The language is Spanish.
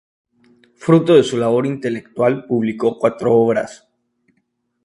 Fruto de su labor intelectual publicó cuatro obras.